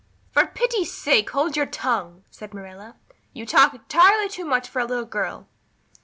"For pity's sake hold your tongue," said Marilla. "You talk entirely too much for a little girl."